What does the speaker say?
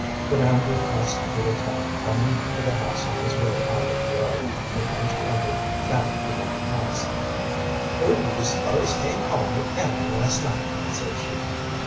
But Andrew passed Eva Tenny coming to the house on his way out of the yard, and when she entered Fanny began at once: "Who do you s'pose came home with Ellen last night?" said she.